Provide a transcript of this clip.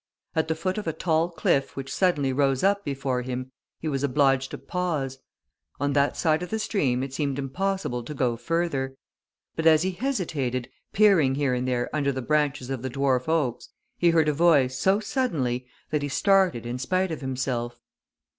At the foot of a tall cliff which suddenly rose up before him he was obliged to pause; on that side of the stream it seemed impossible to go further. But as he hesitated, peering here and there under the branches of the dwarf oaks, he heard a voice, so suddenly, that he started in spite of himself.